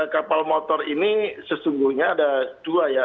kapal motor ini sesungguhnya ada dua ya